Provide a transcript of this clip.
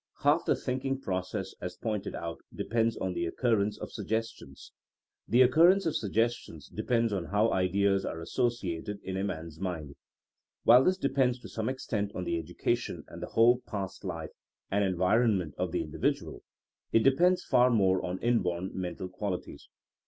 Half the thinking process, as pointed out, depends on the occur rence of suggestions. The occurrence of sug gestions depends on how ideas are associated in a man^s mind. While this depends to some ex tent on the education and the whole past life and environment of the individual, it depends far more on inborn mental qualities.